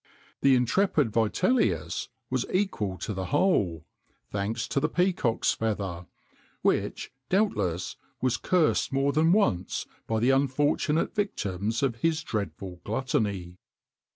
The intrepid Vitellius was equal to the whole, thanks to the peacock's feather, which, doubtless, was cursed more than once by the unfortunate victims of his dreadful gluttony.